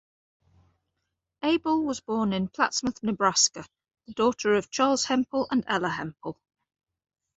Abel was born in Plattsmouth, Nebraska, the daughter of Charles Hempel and Ella Hempel.